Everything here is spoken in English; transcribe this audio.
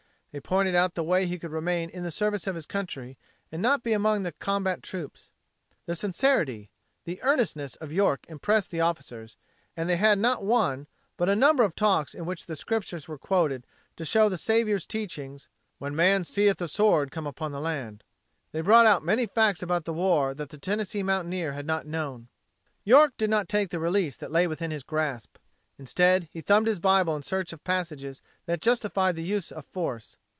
They pointed out the way he could remain in the service of his country and not be among the combat troops. The sincerity, the earnestness of York impressed the officers, and they had not one but a number of talks in which the Scriptures were quoted to show the Savior's teachings "when man seeth the sword come upon the land." They brought out many facts about the war that the Tennessee mountaineer had not known. York did not take the release that lay within his grasp. Instead, he thumbed his Bible in search of passages that justified the use of force.